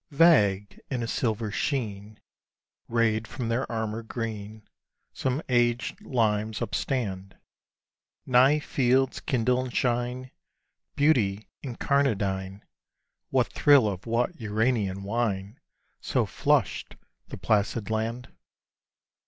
Vague, in a silver sheen Rayed from their armour green, Some aged limes upstand; Nigh fields kindle and shine: Beauty incarnadine! What thrill of what Uranian wine So flushed the placid land?